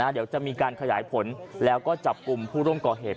เดี๋ยวจะมีการขยายผลแล้วก็จับกลุ่มผู้ร่วมก่อเหตุ